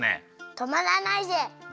とまらないぜ！ねえ。